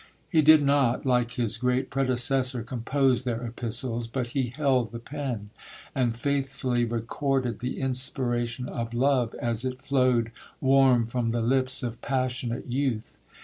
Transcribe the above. He did not, like his great predecessor, compose their epistles; but he held the pen, and faithfully recorded the inspiration of Love, as it flowed warm from the lips of passionate youth.